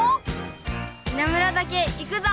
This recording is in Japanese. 稲村岳行くぞ！